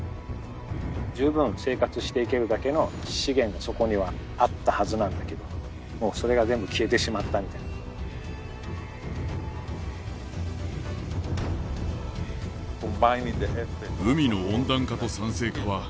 十分生活していけるだけの資源がそこにはあったはずなんだけどもうそれが全部消えてしまったみたいな。と呼ばれています。